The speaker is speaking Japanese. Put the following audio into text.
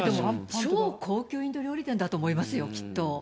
超高級インド料理店だと思いますよ、きっと。